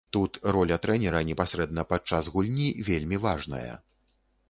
Тут роля трэнера непасрэдна падчас гульні вельмі важная.